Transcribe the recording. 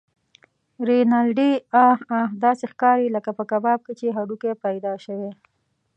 رینالډي: اه اه! داسې ښکارې لکه په کباب کې چې هډوکی پیدا شوی.